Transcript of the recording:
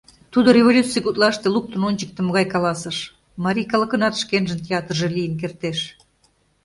Тудо революций гутлаште луктын ончыктымо гай каласыш: «Марий калыкынат шкенжын театрже лийын кертеш.